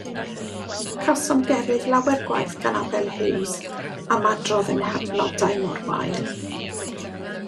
Cawsom gerydd lawer gwaith gan Abel Hughes am adrodd ein hadnodau mor wael.